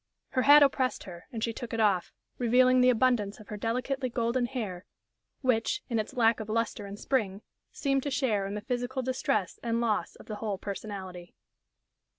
Her hat oppressed her and she took it off, revealing the abundance of her delicately golden hair, which, in its lack of lustre and spring, seemed to share in the physical distress and loss of the whole personality.